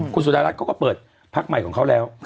คุณสุดารัฐเขาก็เปิดพักใหม่ของเขาแล้ว